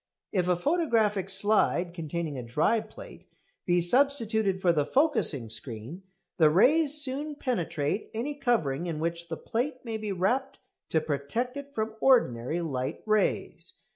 If a photographic slide containing a dry plate be substituted for the focusing screen, the rays soon penetrate any covering in which the plate may be wrapped to protect it from ordinary light rays.